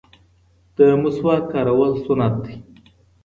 د مسواک کارول سنت دی